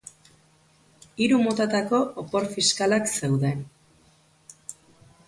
Hiru motatako opor fiskalak zeuden.